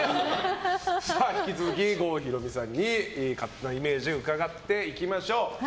引き続き郷ひろみさんに勝手なイメージ伺っていきましょう。